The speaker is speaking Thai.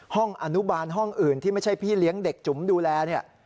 ห้องอนุบาลห้องอื่นที่ไม่ใช่พี่เลี้ยงเด็กจุ๋มดูแลเนี่ย